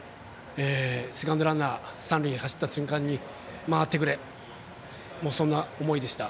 セカンドランナー三塁へ走った瞬間に回ってくれ、そんな思いでした。